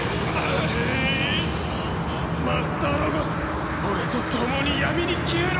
マスターロゴス俺と共に闇に消えろ！